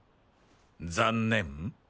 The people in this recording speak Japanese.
残念？